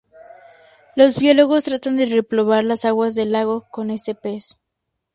Los biólogos tratan de repoblar las aguas del lago con este pez.